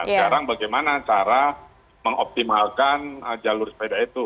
sekarang bagaimana cara mengoptimalkan jalur sepeda itu